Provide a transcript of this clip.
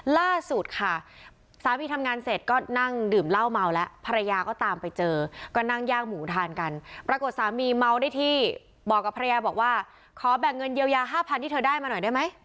ว่าขอแบ่งเงินเยียวยาห้าพันที่เธอได้มาหน่อยได้ไหมอืม